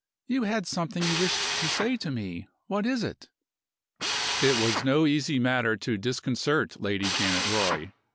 You had something you wished to say to me. What is it?" It was no easy matter to disconcert Lady Janet Roy.